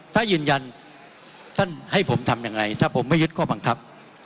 ถ้ายืนยันท่านให้ผมทำยังไงถ้าผมไม่ยึดข้อบังคับ